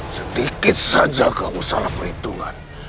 sedikit saja kamu salah perhitungan